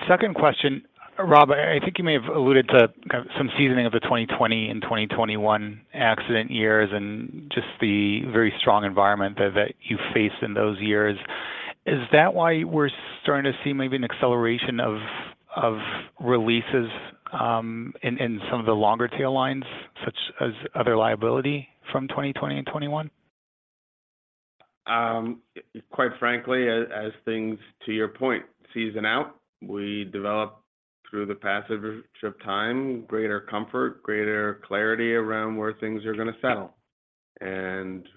second question, Rob, I think you may have alluded to kind of some seasoning of the 2020 and 2021 accident years and just the very strong environment that you faced in those years. Is that why we're starting to see maybe an acceleration of releases in some of the longer tail lines, such as other liability from 2020 and 2021? Quite frankly, as things, to your point, season out, we develop through the passage of time, greater comfort, greater clarity around where things are going to settle.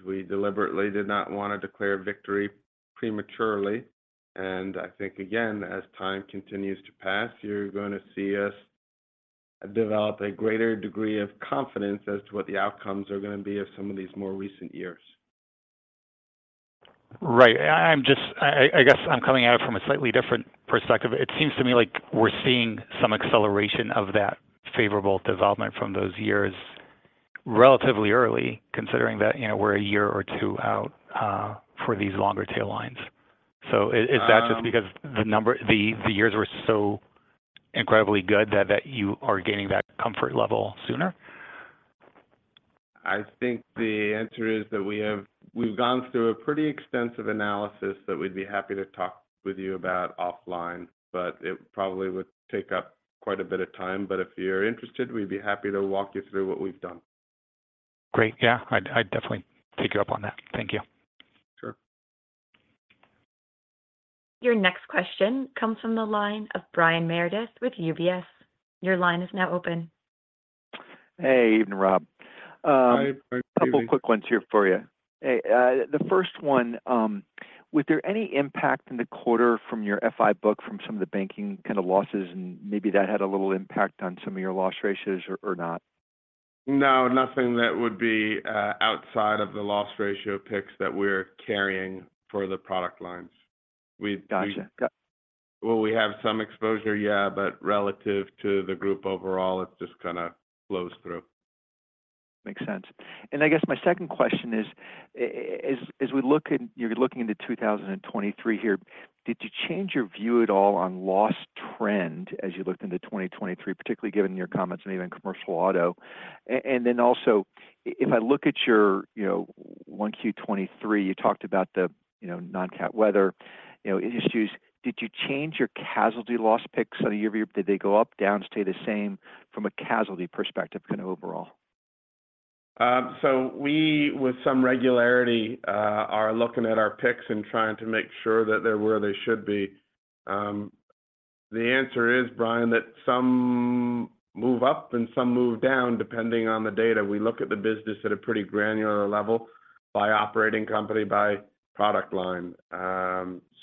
We deliberately did not want to declare victory prematurely. I think, again, as time continues to pass, you're going to see us develop a greater degree of confidence as to what the outcomes are going to be of some of these more recent years. Right. I guess I'm coming at it from a slightly different perspective. It seems to me like we're seeing some acceleration of that favorable development from those years relatively early, considering that, you know, we're a year or two out for these longer tail lines. Is that just because the years were so incredibly good that you are gaining that comfort level sooner? I think the answer is that we've gone through a pretty extensive analysis that we'd be happy to talk with you about offline, but it probably would take up quite a bit of time. If you're interested, we'd be happy to walk you through what we've done. Great. Yeah, I'd definitely take you up on that. Thank you. Sure. Your next question comes from the line of Brian Meredith with UBS. Your line is now open. Hey. Evening, Rob. Hi, Brian. A couple quick ones here for you. Hey, the first one, was there any impact in the quarter from your FI book from some of the banking kind of losses and maybe that had a little impact on some of your loss ratios or not? No, nothing that would be outside of the loss ratio picks that we're carrying for the product lines. Gotcha. Well, we have some exposure, yeah, but relative to the group overall, it just kinda flows through. Makes sense. I guess my second question is, as we look at you're looking into 2023 here, did you change your view at all on loss trend as you looked into 2023, particularly given your comments on even commercial auto? If I look at your, you know, Q1 2023, you talked about the, you know, non-cat weather, you know, issues. Did you change your casualty loss picks year-over-year? Did they go up, down, stay the same from a casualty perspective kind of overall? We, with some regularity, are looking at our picks and trying to make sure that they're where they should be. The answer is, Brian, that some move up and some move down, depending on the data. We look at the business at a pretty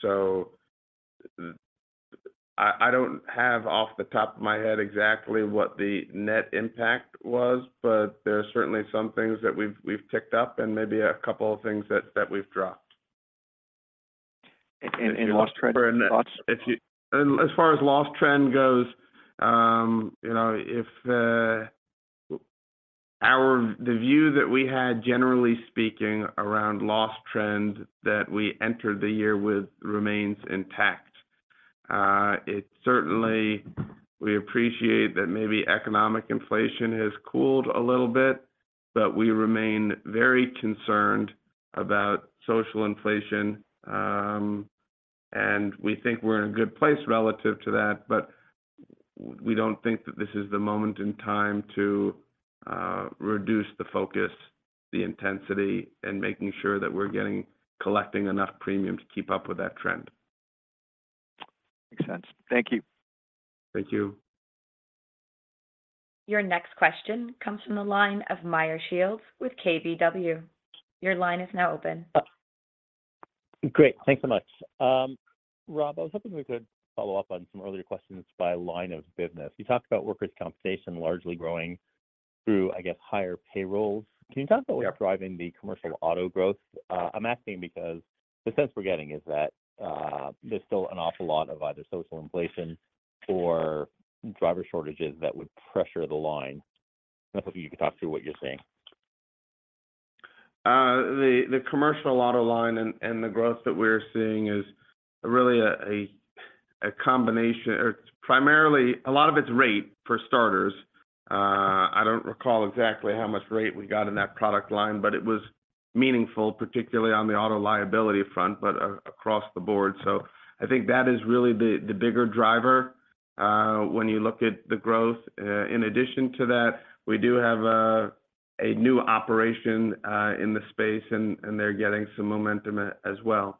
granular level by operating company, by product line. I don't have off the top of my head exactly what the net impact was, but there are certainly some things that we've picked up and maybe a couple of things that we've dropped In loss trend. As far as loss trend goes, you know, if the view that we had, generally speaking, around loss trend that we entered the year with remains intact. It certainly we appreciate that maybe economic inflation has cooled a little bit, but we remain very concerned about social inflation, and we think we're in a good place relative to that. We don't think that this is the moment in time to reduce the focus, the intensity, and making sure that we're collecting enough premium to keep up with that trend. Makes sense. Thank you. Thank you. Your next question comes from the line of Meyer Shields with KBW. Your line is now open. Great. Thanks so much. Rob, I was hoping we could follow up on some earlier questions by line of business. You talked about workers' compensation largely growing through, I guess, higher payrolls. Can you talk about what's driving the commercial auto growth? I'm asking because the sense we're getting is that there's still an awful lot of either social inflation or driver shortages that would pressure the line. I was hoping you could talk through what you're seeing. The commercial auto line and the growth that we're seeing is really a combination or primarily a lot of it's rate, for starters. I don't recall exactly how much rate we got in that product line, but it was meaningful, particularly on the auto liability front, but across the board. I think that is really the bigger driver, when you look at the growth. In addition to that, we do have a new operation in the space and they're getting some momentum as well.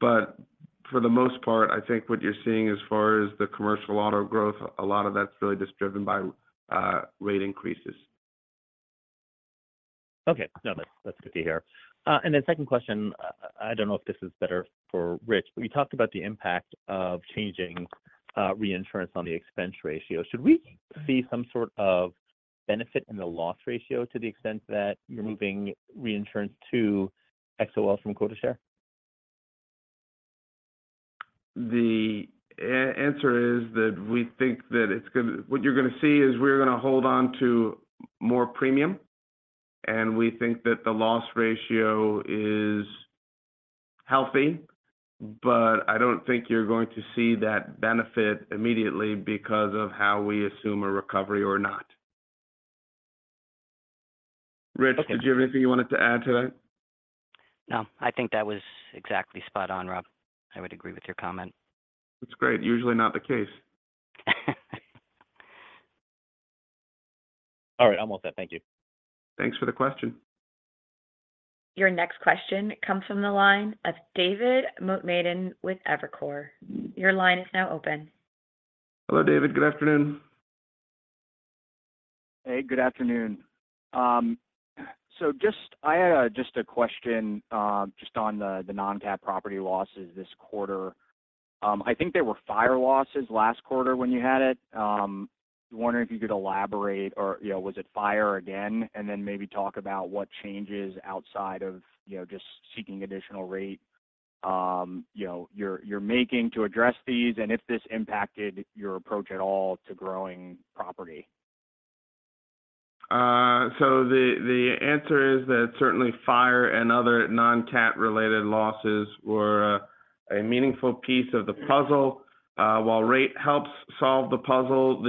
For the most part, I think what you're seeing as far as the commercial auto growth, a lot of that's really just driven by rate increases. Okay. No, that's good to hear. The second question, I don't know if this is better for Rich, but you talked about the impact of changing reinsurance on the expense ratio. Should we see some sort of benefit in the loss ratio to the extent that you're moving reinsurance to XOL from quota share? The answer is that we think that what you're gonna see is we're gonna hold on to more premium, and we think that the loss ratio is healthy. I don't think you're going to see that benefit immediately because of how we assume a recovery or not. Rich, did you have anything you wanted to add to that? No, I think that was exactly spot on, Rob. I would agree with your comment. That's great. Usually not the case. All right. I'm all set. Thank you. Thanks for the question. Your next question comes from the line of David Motemaden with Evercore. Your line is now open. Hello, David. Good afternoon. Hey, good afternoon. Just a question, just on the non-cat property losses this quarter. I think there were fire losses last quarter when you had it. Wondering if you could elaborate or, you know, was it fire again? Maybe talk about what changes outside of, you know, just seeking additional rate, you're making to address these and if this impacted your approach at all to growing property. The answer is that certainly fire and other non-cat related losses were a meaningful piece of the puzzle. While rate helps solve the puzzle,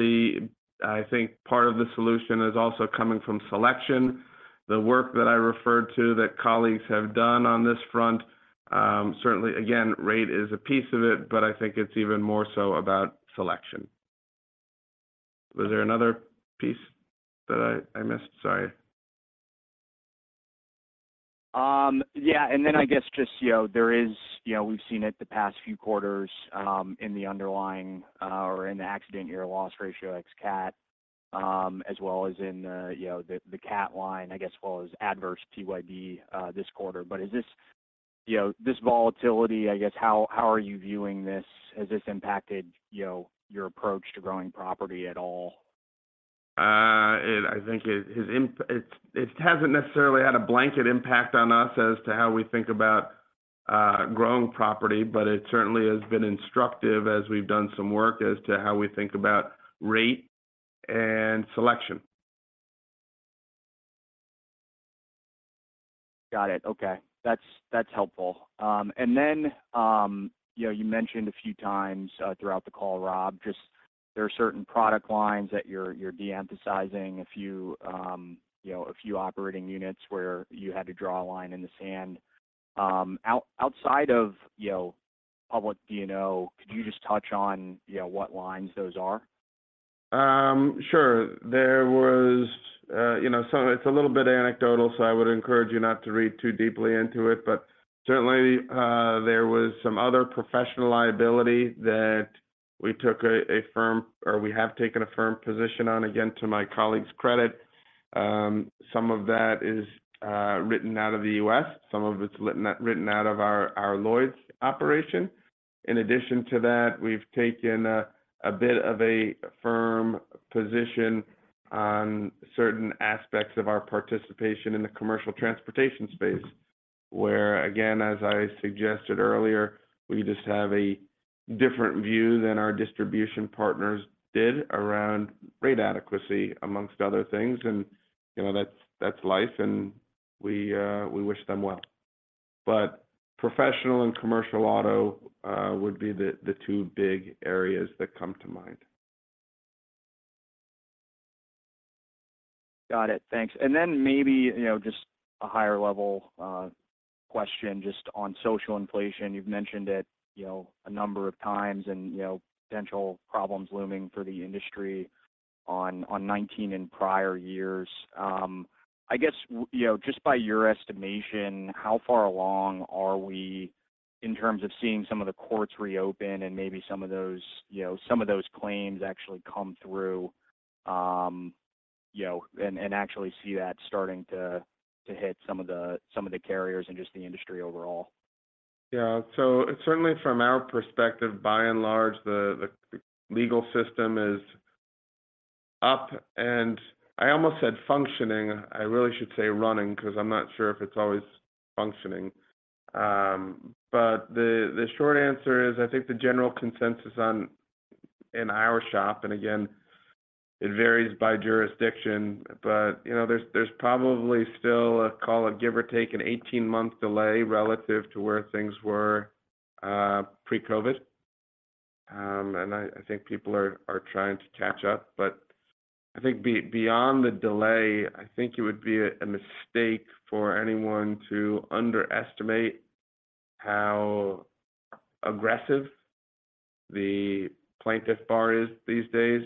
I think part of the solution is also coming from selection. The work that I referred to that colleagues have done on this front, certainly, again, rate is a piece of it, but I think it's even more so about selection. Was there another piece that I missed? Sorry. Yeah. I guess just, you know, there is, you know, we've seen it the past few quarters, in the underlying, or in the accident year loss ratio ex-cat, as well as in, you know, the cat line, I guess as well as adverse PYD this quarter. Is this, you know, this volatility, I guess, how are you viewing this? Has this impacted, you know, your approach to growing property at all? I think it hasn't necessarily had a blanket impact on us as to how we think about growing property, but it certainly has been instructive as we've done some work as to how we think about rate and selection. Got it. Okay. That's, that's helpful. You know, you mentioned a few times, throughout the call, Rob, just there are certain product lines that you're de-emphasizing a few, you know, a few operating units where you had to draw a line in the sand. Outside of, you know, public D&O, could you just touch on, you know, what lines those are? Sure. There was, you know, some it's a little bit anecdotal, so I would encourage you not to read too deeply into it. But certainly, there was some other professional liability that we took a firm or we have taken a firm position on, again, to my colleague's credit. Some of that is written out of the U.S., some of it's written out of our Lloyd's operation. In addition to that, we've taken a bit of a firm position on certain aspects of our participation in the commercial transportation space. Where again, as I suggested earlier, we just have a different view than our distribution partners did around rate adequacy amongst other things. You know, that's life and we wish them well. Professional and commercial auto, would be the two big areas that come to mind. Got it. Thanks. Then maybe, you know, just a higher level question just on social inflation. You've mentioned it, you know, a number of times and, you know, potential problems looming for the industry on 2019 and prior years. I guess you know, just by your estimation, how far along are we in terms of seeing some of the courts reopen and maybe some of those, you know, some of those claims actually come through, you know, and actually see that starting to hit some of the, some of the carriers and just the industry overall? Certainly from our perspective, by and large, the legal system is up, and I almost said functioning. I really should say running because I'm not sure if it's always functioning. The short answer is, I think the general consensus in our shop, and again, it varies by jurisdiction, but, you know, there's probably still, call it give or take, a 18-month delay relative to where things were pre-COVID. I think people are trying to catch up. I think beyond the delay, I think it would be a mistake for anyone to underestimate how aggressive the plaintiff bar is these days.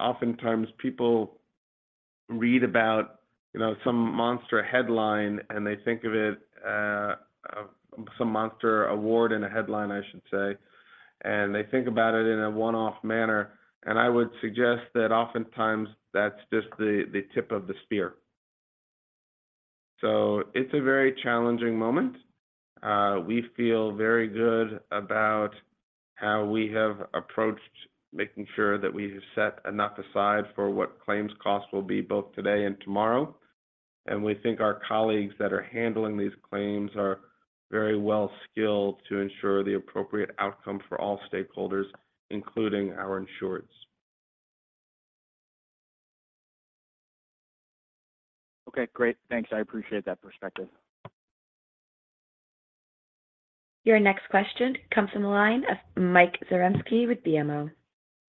Oftentimes people read about, you know, some monster headline, and they think of it, some monster award in a headline, I should say, and they think about it in a one-off manner. I would suggest that oftentimes that's just the tip of the spear. It's a very challenging moment. We feel very good about how we have approached making sure that we have set enough aside for what claims costs will be both today and tomorrow. We think our colleagues that are handling these claims are very well skilled to ensure the appropriate outcome for all stakeholders, including our insureds. Okay, great. Thanks. I appreciate that perspective. Your next question comes from the line of Mike Zarembski with BMO.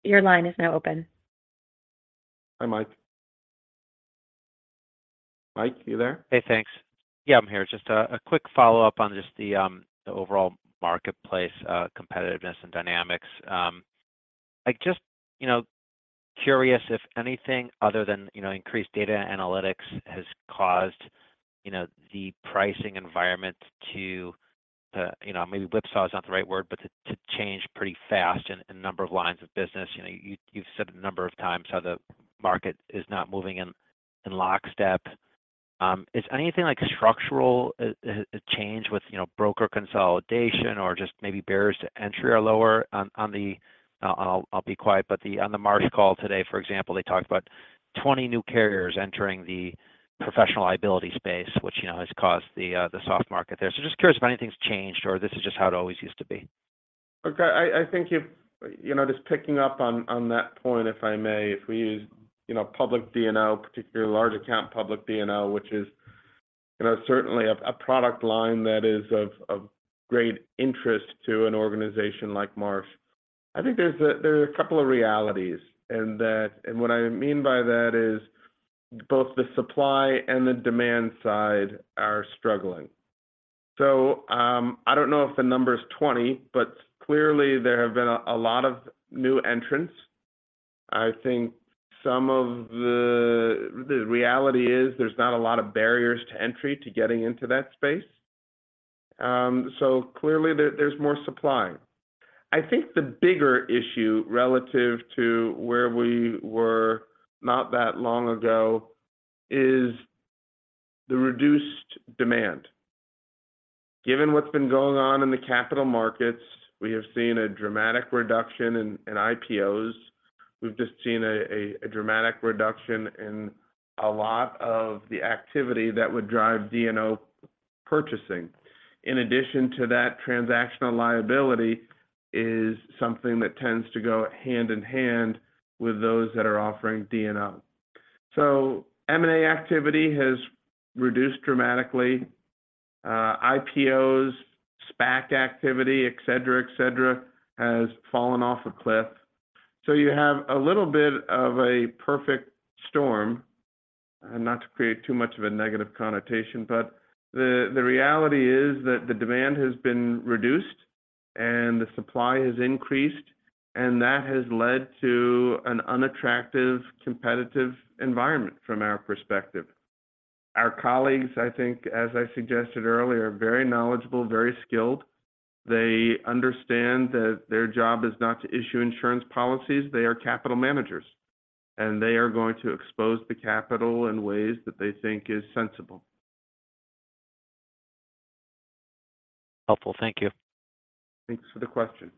Your line is now open. Hi, Mike. Mike, you there? Hey, thanks. Yeah, I'm here. Just a quick follow-up on just the overall marketplace, competitiveness and dynamics. I just, you know, curious if anything other than, you know, increased data analytics has caused, you know, the pricing environment to, you know, maybe whipsaw is not the right word, but to change pretty fast in a number of lines of business. You know, you've said a number of times how the market is not moving in lockstep. Is anything like structural change with, you know, broker consolidation or just maybe barriers to entry are lower on the... I'll be quiet, but on the Marsh call today, for example, they talked about 20 new carriers entering the professional liability space, which, you know, has caused the soft market there. Just curious if anything's changed or this is just how it always used to be? Okay. I think if, you know, just picking up on that point, if I may, if we use, you know, public D&O, particularly large account public D&O, which is, you know, certainly a product line that is of great interest to an organization like Marsh, I think there's a couple of realities. What I mean by that is both the supply and the demand side are struggling. I don't know if the number is 20, but clearly there have been a lot of new entrants. I think some of the reality is there's not a lot of barriers to entry to getting into that space. Clearly there's more supply. I think the bigger issue relative to where we were not that long ago is the reduced demand. Given what's been going on in the capital markets, we have seen a dramatic reduction in IPOs. We've just seen a dramatic reduction in a lot of the activity that would drive D&O purchasing. In addition to that, transactional liability is something that tends to go hand-in-hand with those that are offering D&O. M&A activity has reduced dramatically. IPOs, SPAC activity, et cetera, et cetera, has fallen off a cliff. You have a little bit of a perfect storm, and not to create too much of a negative connotation, but the reality is that the demand has been reduced and the supply has increased, and that has led to an unattractive competitive environment from our perspective. Our colleagues, I think, as I suggested earlier, are very knowledgeable, very skilled. They understand that their job is not to issue insurance policies. They are capital managers, and they are going to expose the capital in ways that they think is sensible. Helpful. Thank you. Thanks for the question.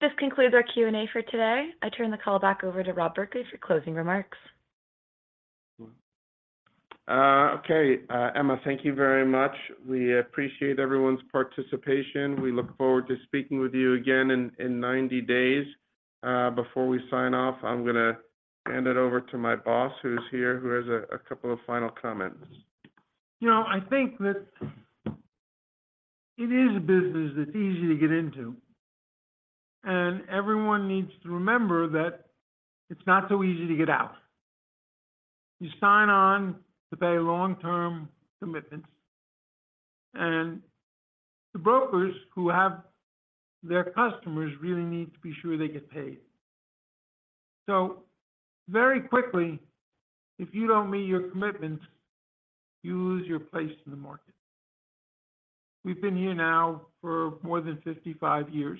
This concludes our Q&A for today. I turn the call back over to Rob Berkley for closing remarks. Okay. Emma, thank you very much. We appreciate everyone's participation. We look forward to speaking with you again in 90 days. Before we sign off, I'm going to hand it over to my boss who's here, who has a couple of final comments. You know, I think that. It is a business that's easy to get into, and everyone needs to remember that it's not so easy to get out. You sign on to pay long-term commitments, and the brokers who have their customers really need to be sure they get paid. Very quickly, if you don't meet your commitments, you lose your place in the market. We've been here now for more than 55 years,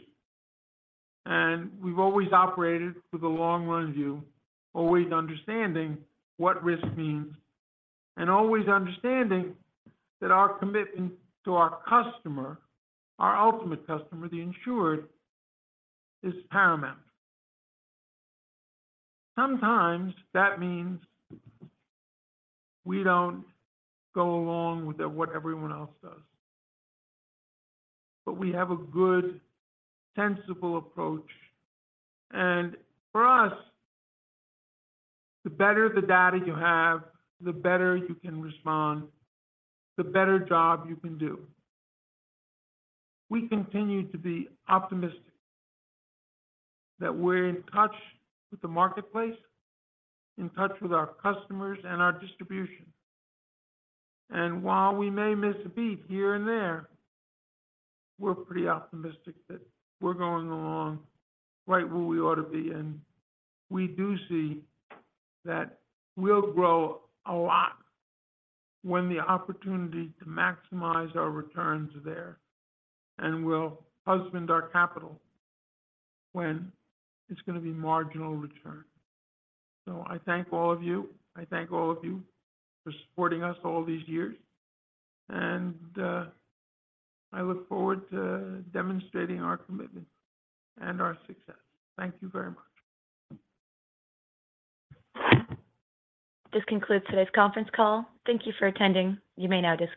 and we've always operated with a long run view, always understanding what risk means and always understanding that our commitment to our customer, our ultimate customer, the insured, is paramount. Sometimes that means we don't go along with what everyone else does. We have a good, sensible approach. For us, the better the data you have, the better you can respond, the better job you can do. We continue to be optimistic that we're in touch with the marketplace, in touch with our customers and our distribution. While we may miss a beat here and there, we're pretty optimistic that we're going along right where we ought to be. We do see that we'll grow a lot when the opportunity to maximize our returns are there. We'll husband our capital when it's gonna be marginal return. I thank all of you. I thank all of you for supporting us all these years. I look forward to demonstrating our commitment and our success. Thank you very much. This concludes today's conference call. Thank you for attending. You may now disconnect.